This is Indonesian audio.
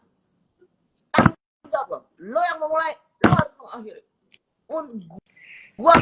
tapi lo yang mau mulai lo yang harus mau ngakhiri